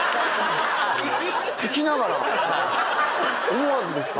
思わずですか？